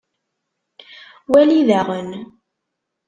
Wali daɣen.